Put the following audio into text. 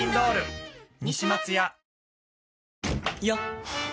よっ！